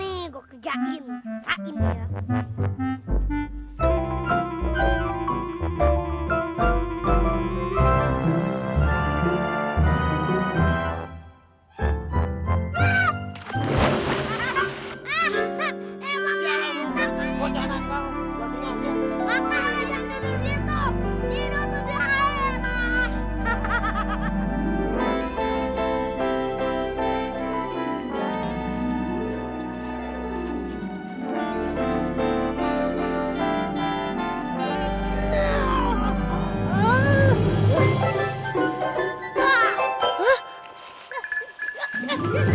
uye dah sang lepang